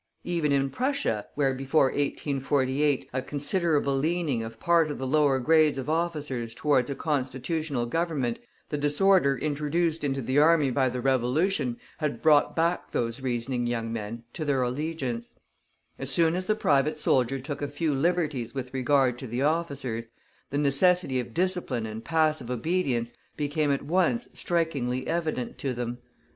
Even in Prussia, where before 1848 a considerable leaning of part of the lower grades of officers towards a Constitutional Government had been observed, the disorder introduced into the army by the Revolution had brought back those reasoning young men to their allegiance; as soon as the private soldier took a few liberties with regard to the officers, the necessity of discipline and passive obedience became at once strikingly evident to them.